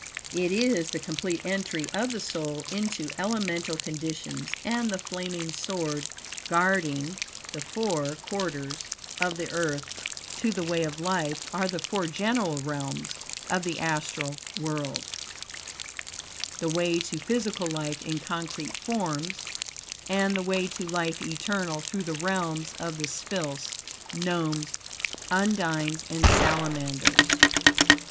It is the complete entry of the soul into elemental conditions, and the flaming sword guarding the four quarters of the Earth to the way of life are the four great realms of the astral world; the way to physical life in concrete forms; and the way to life eternal through the realms of the Sylphs, Gnomes, Undines and Salamanders.